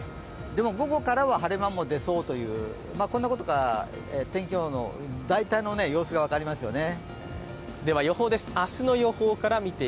でも、午後からは晴れ間も出そうということで、天気予報の大体の予想が分かりますよね。